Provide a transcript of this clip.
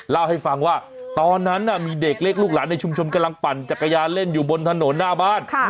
เล่าให้ฟังว่าตอนนั้นมีเด็กเล็กลูกหลานในชุมชนกำลังปั่นจักรยานเล่นอยู่บนถนนหน้าบ้าน